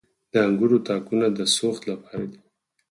د انګورو تاکونه د سوخت لپاره دي.